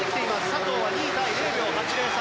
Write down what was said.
佐藤は２位から０秒８０差。